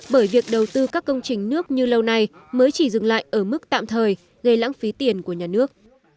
bởi việc đầu tư các công trình nước như lâu nay mới chỉ dừng lại ở mức tạm thời gây lãng phí tiền của nhà nước